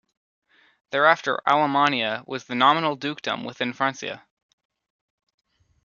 Thereafter, Alamannia was a nominal dukedom within Francia.